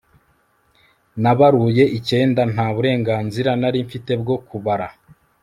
Nabaruye icyenda nta burenganzira nari mfite bwo kubara